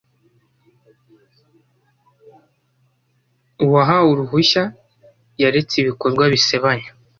uwahawe uruhushya yaretse ibikorwa bisebanya